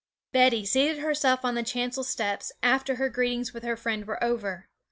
Betty seated herself on the chancel steps after her greetings with her friend were over.